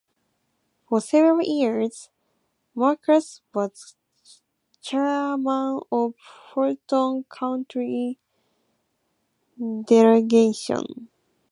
For several years, Marcus was chairman of Fulton County delegation.